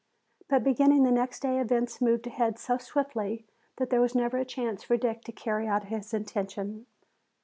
But beginning the next day's events moved ahead so swiftly that there was never a chance for Dick to carry out his intention.